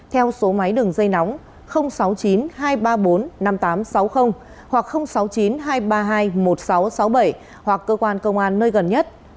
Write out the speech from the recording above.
theo số máy đường dây nóng sáu mươi chín hai trăm ba mươi bốn năm nghìn tám trăm sáu mươi hoặc sáu mươi chín hai trăm ba mươi hai một nghìn sáu trăm sáu mươi bảy hoặc cơ quan công an nơi gần nhất